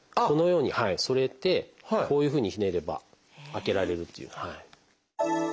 このように添えてこういうふうにひねれば開けられるという。